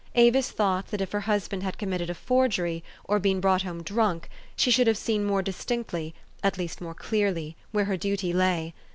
Avis thought, that if her husband had committed a forgery, or been brought home drunk, she should have seen more distinctly, at least more clearly, where her duty lay.